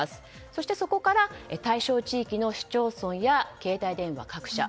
そして、そこから対象地域の市町村や携帯電話各社